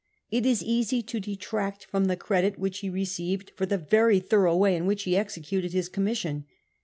It is easy to detract from the credit which he received for the very thorough way in w hich he executed his commission.